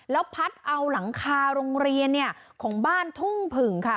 แล้วพัดเอาหลังคาโรงเรียนเนี่ยของบ้านทุ่งผึ่งค่ะ